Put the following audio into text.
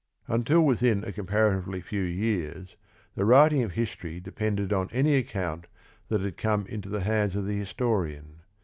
Until within a comparatively few years the writing of history depended on any account that had come into the hands of the historian.